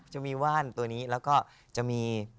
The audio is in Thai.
จะมีว่านตัวนี้แล้วก็จะมี